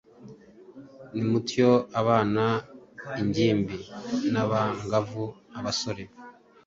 Nimutyo abana, ingimbi n’abangavu, abasore